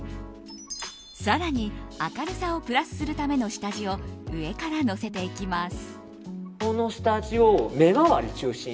更に明るさをプラスするための下地を上からのせていきます。